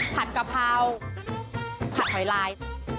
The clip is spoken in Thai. ผัดกะเพราผัดหอยลาย